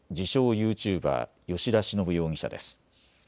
ユーチューバー、吉田忍容疑者です。